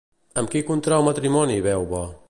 Amb qui contrau matrimoni Beuve?